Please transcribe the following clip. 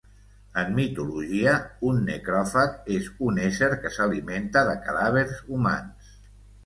En mitologia, un necròfag és un ésser que s'alimenta de cadàvers humans.